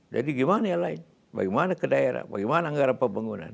jadi gimana yang lain bagaimana ke daerah bagaimana anggaran pembangunan